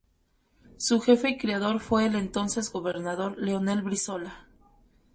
Su jefe y creador fue el entonces gobernador Leonel Brizola.